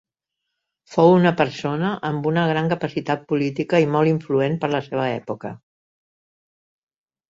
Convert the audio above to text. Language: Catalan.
Fou una persona amb una gran capacitat política i molt influent per la seva època.